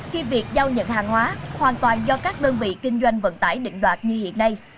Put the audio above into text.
khi việc giao nhận hàng hóa hoàn toàn do các đơn vị kinh doanh vận tải định đoạt như hiện nay